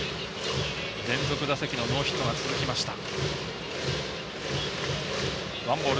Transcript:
連続打席のノーヒットが続きました。